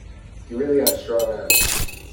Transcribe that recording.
He really had a strong arm.